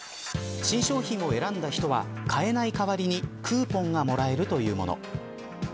新商品を選んだ人は変えない代わりにクーポンがもらえるというもの。